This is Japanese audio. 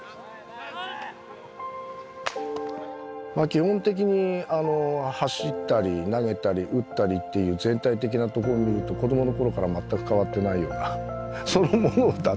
基本的に走ったり投げたり打ったりっていう全体的なところを見ると子どもの頃から全く変わってないようなそのものだったような。